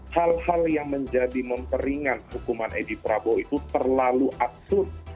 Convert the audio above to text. hal hal yang menjadi memperingan hukuman edi prabowo itu terlalu absurd